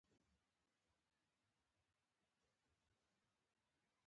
هغه هم خپل چانس ازمايلی و چې له مورګان سره کاروبار پيل کړي.